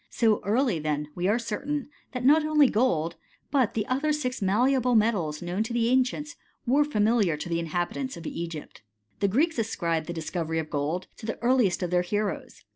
So early, then, we are certain, that not only gold, but the other six malleable metals known to the ancients, wer^ familiar to the inhabitants of Egypt. The Greeks ascribe the discovery of gold to the earliest of theii: heroes.